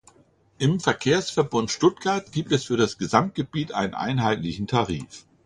Im Verkehrsverbund Stuttgart gibt es für das Gesamtgebiet einen einheitlichen Tarif.